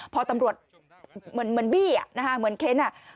พอตำรวจเหมือนบี้อเหมือนเค้นอ่ะ